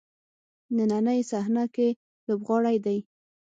نننۍ صحنه کې لوبغاړی دی.